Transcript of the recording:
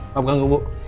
maaf ganggu bu